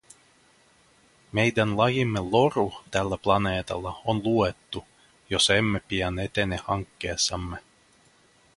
Meidän lajimme loru tällä planeetalla on luettu, jos emme pian etene hankkeessamme.